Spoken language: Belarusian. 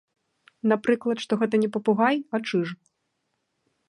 Напрыклад, што гэта не папугай, а чыж.